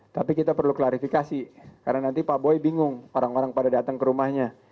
tapi kita perlu klarifikasi karena nanti pak boy bingung orang orang pada datang ke rumahnya